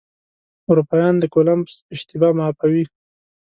اروپایان د کولمبس اشتباه معافوي.